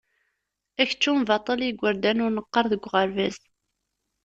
Akeččum baṭel i igerdan ur neqqar deg uɣerbaz.